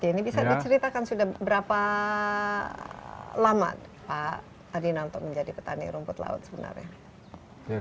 ini bisa diceritakan sudah berapa lama pak adinanto menjadi petani rumput laut sebenarnya